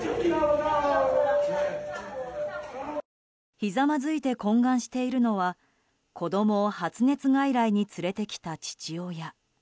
ひざまずいて懇願しているのは子供を発熱外来に連れてきた父親。